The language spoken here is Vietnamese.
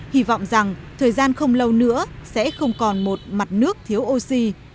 hy vọng rằng thời gian không lâu nữa sẽ không còn một mặt nước thiếu oxy